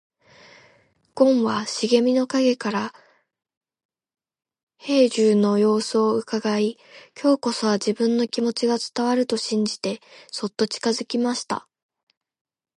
ごんは茂みの影から兵十の様子をうかがい、今日こそは自分の気持ちが伝わると信じてそっと近づきました。